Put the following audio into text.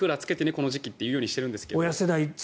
この時期って言うようにしてるんですが。